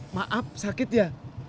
maaf sakit ya